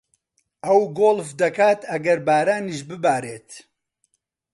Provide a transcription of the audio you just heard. ئەو گۆڵف دەکات ئەگەر بارانیش ببارێت.